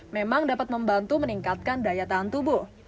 memang dapat membantu meningkatkan kesehatan tubuh